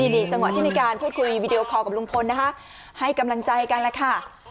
นี่จังหวะที่มีการพูดคุยวีดีโอคอลกับลุงพลนะคะให้กำลังใจกันแล้วค่ะ